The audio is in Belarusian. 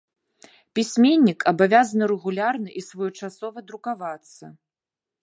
Пісьменнік абавязаны рэгулярна і своечасова друкавацца.